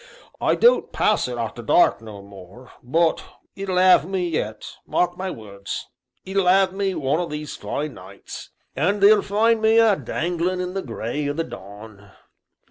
I don't pass it arter dark no more, but it'll 'ave me yet mark my words it'll 'ave me one o' these fine nights; and they'll find me a danglin' in the gray o' the dawn!"